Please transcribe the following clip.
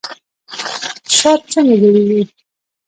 شات څنګه جوړیږي؟